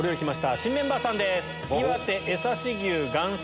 新メンバーさんです。